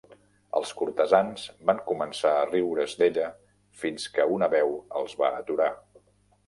Els cortesans van començar a riure's d'ella fins que una veu els va aturar.